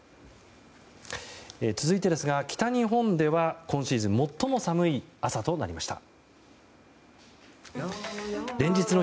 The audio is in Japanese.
続いてですが北日本では今シーズン最も寒い朝となりました。